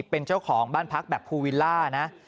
เป็นเจ้าของบ้านพักแบบภูวิลล่านะ